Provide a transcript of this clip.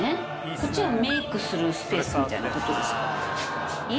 こっちはメイクするスペースみたいなことですか？